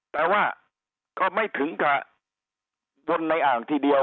แต่ว่าก็ไม่ถึงกับคนในอ่างทีเดียว